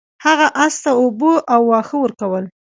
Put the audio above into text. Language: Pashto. هغه اس ته اوبه او واښه ورکول.